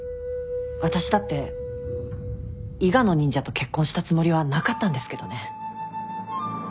私だって伊賀の忍者と結婚したつもりはなかったんですけどね。